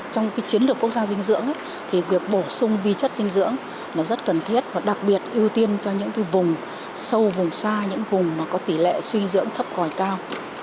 trong chiến lược quốc gia dinh dưỡng thì việc bổ sung vi chất dinh dưỡng là rất cần thiết và đặc biệt ưu tiên cho những vùng sâu vùng xa những vùng mà có tỷ lệ suy dưỡng thấp còi cao